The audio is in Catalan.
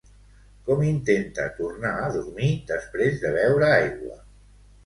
Com intenta tornar a dormir després de beure aigua?